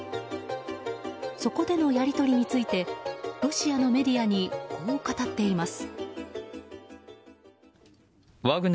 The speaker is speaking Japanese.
そこでのやり取りについてロシアのメディアにこう語っています。